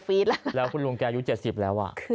เพราะว่าภาพค่อนข้างจะเกิดมาก